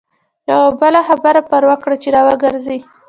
یوه بله خبره پر وکړه چې را وګرځي.